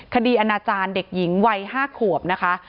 อนาจารย์เด็กหญิงวัย๕ขวบนะคะ